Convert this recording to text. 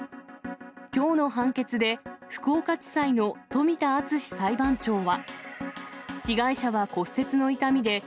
きょうの判決で、福岡地裁の冨田あつし裁判長は。